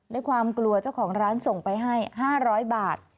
ด้วยความกลัวเจ้าของร้านส่งไปให้๕๐๐บาท